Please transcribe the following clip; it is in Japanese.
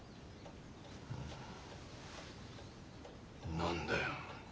何だよ。